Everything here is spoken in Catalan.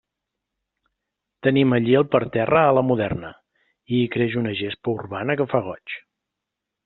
Tenim allí el parterre a la moderna, i hi creix una gespa urbana que fa goig.